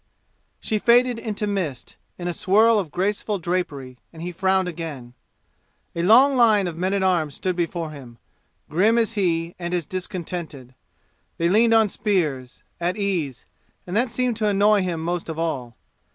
She faded into mist, in a swirl of graceful drapery, and he frowned again. A long line of men at arms stood before him, grim as he and as discontented. They leaned on spears, at ease, and that seemed to annoy him most of all.